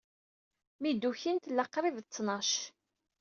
Mi d-ukin, tella qrib d ttnac.